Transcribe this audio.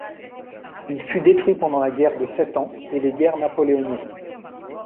Il fut détruit pendant la guerre de sept ans et les guerres napoléoniennes.